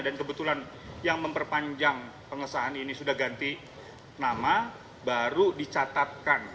dan kebetulan yang memperpanjang pengesahan ini sudah ganti nama baru dicatatkan